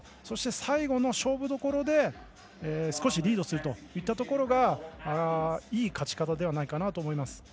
そして、最後の勝負どころで少しリードするといったところがいい勝ち方ではないかなと思います。